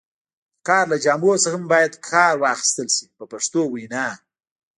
د کار له جامو څخه هم باید کار واخیستل شي په پښتو وینا.